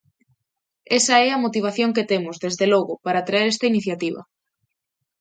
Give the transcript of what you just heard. Esa é a motivación que temos, desde logo, para traer esta iniciativa.